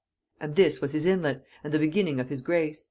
And this was his inlet, and the beginning of his grace."